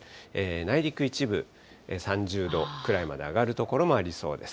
内陸一部、３０度くらいまで上がる所もありそうです。